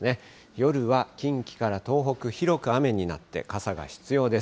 夜は近畿から東北、広く雨になって、傘が必要です。